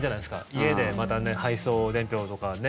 家でまた配送伝票とかね。